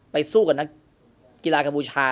ไปสู้กับนักกีฬาขปุชชา